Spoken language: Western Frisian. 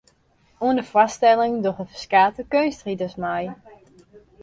Oan de foarstelling dogge ferskate keunstriders mei.